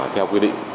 theo quy định